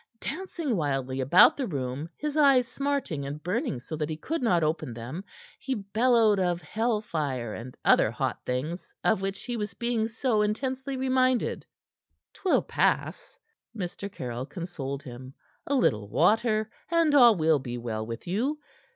Dancing wildly about the room, his eyes smarting and burning so that he could not open them, he bellowed of hell fire and other hot things of which he was being so intensely reminded. "'Twill pass," Mr. Caryll consoled him. "A little water, and all will be well with you."